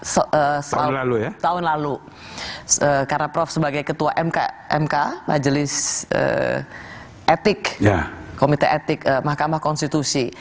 tahun lalu karena prof sebagai ketua mk majelis etik komite etik mahkamah konstitusi